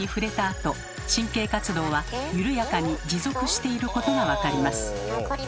あと神経活動は緩やかに持続していることが分かります。